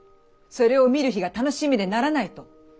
それを見る日が楽しみでならない」と。